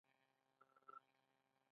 پاچا ځوان کدر په کار نه ګماري .